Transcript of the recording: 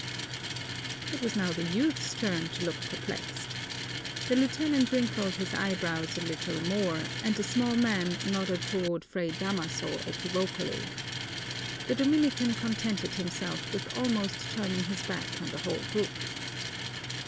It was now the youth's turn to look perplexed. The lieutenant wrinkled his eyebrows a little more and the small man nodded toward Fray Damaso equivocally. The Dominican contented himself with almost turning his back on the whole group.